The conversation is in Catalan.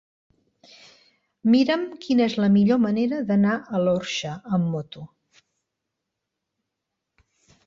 Mira'm quina és la millor manera d'anar a l'Orxa amb moto.